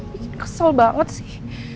bikin kesel banget sih